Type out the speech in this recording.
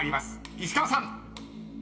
石川さん］